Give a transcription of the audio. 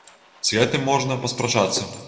З гэтым можна паспрачацца.